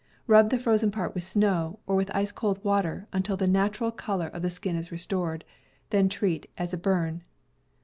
Rub the frozen part with snow, or with ice cold water, until the natural color of the skin is restored. Then treat as a burn.